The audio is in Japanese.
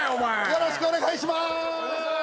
よろしくお願いします。